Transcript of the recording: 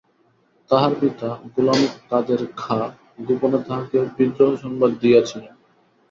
আমার পিতা গোলামকাদের খাঁ গোপনে তাঁহাকে বিদ্রোহসংবাদ দিয়াছিলেন।